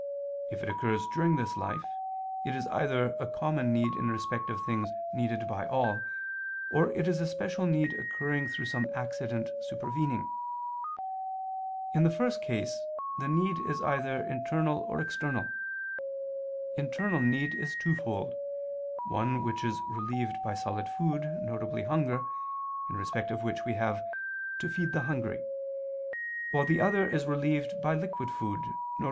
If it occurs during this life, it is either a common need in respect of things needed by all, or it is a special need occurring through some accident supervening. In the first case, the need is either internal or external. Internal need is twofold: one which is relieved by solid food, viz. hunger, in respect of which we have to feed the hungry; while the other is relieved by liquid food, viz.